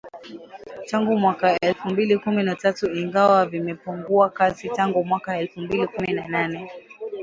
Tangu mwaka elfu mbili kumi na tatu ingawa vimepungua kasi tangu mwaka elfu mbili kumi na nane.